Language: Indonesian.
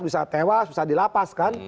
bisa tewas bisa dilapaskan